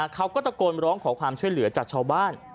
เขาก็ตะโกนร้องขอความช่วยเหลือจากชาวบ้าน